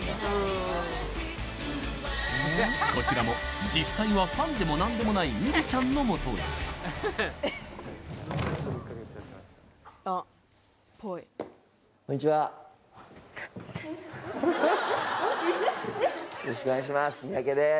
こちらも実際はファンでも何でもないミリちゃんの元へえっウソよろしくお願いします